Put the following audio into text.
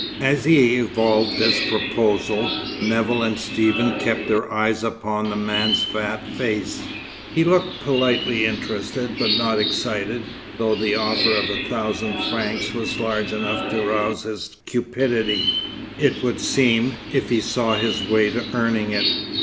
As he evolved this proposal, Nevill and Stephen kept their eyes upon the man's fat face. He looked politely interested, but not excited, though the offer of a thousand francs was large enough to rouse his cupidity, it would seem, if he saw his way to earning it.